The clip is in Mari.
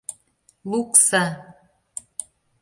Лукса!